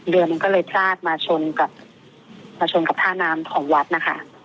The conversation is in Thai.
เรือมันก็เลยพลาดมาชนกับมาชนกับท่าน้ำของวัดนะคะ